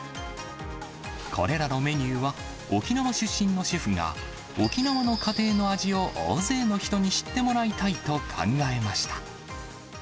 これらのメニューは、沖縄出身のシェフが、沖縄の家庭の味を大勢の人に知ってもらいたいと考えました。